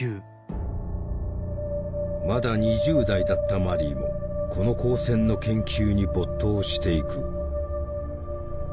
まだ２０代だったマリーもこの光線の研究に没頭していく。